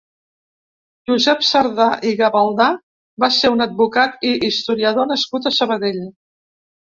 Josep Sardà i Gavaldà va ser un advocat i historiador nascut a Sabadell.